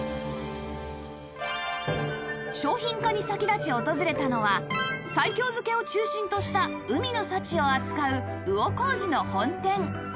商品化に先立ち訪れたのは西京漬けを中心とした海の幸を扱う魚小路の本店